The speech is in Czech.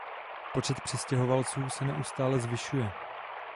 Počet přistěhovalců se neustále zvyšuje.